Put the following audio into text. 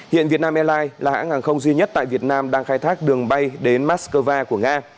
hiện vietnam airlines là hãng hàng không duy nhất tại việt nam đang khai thác đường bay đến mascova của nga